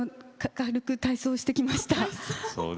軽く体操してきました。